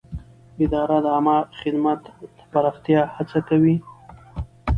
اداره د عامه خدمت د پراختیا هڅه کوي.